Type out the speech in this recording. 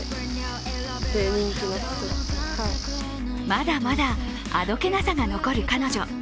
まだまだあどけなさが残る彼女。